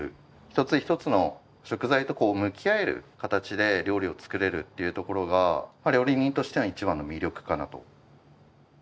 一つ一つの食材と向き合える形で料理を作れるっていうところが料理人としての一番の魅力かなと。